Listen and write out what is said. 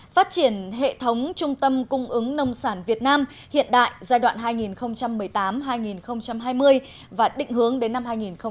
phát triển hệ thống trung tâm cung ứng nông sản việt nam hiện đại giai đoạn hai nghìn một mươi tám hai nghìn hai mươi và định hướng đến năm hai nghìn ba mươi